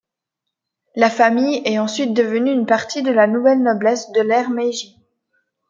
La famille est ensuite devenue une partie de la nouvelle noblesse de l'ère Meiji.